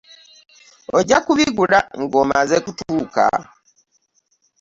Ojja kubigula ng'omaze kutuuka.